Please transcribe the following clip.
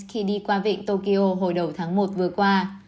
khi đi qua vịnh tokyo hồi đầu tháng một vừa qua